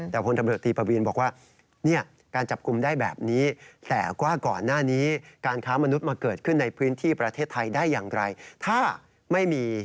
แต่พลตำรวจตรีปวีนบอกว่า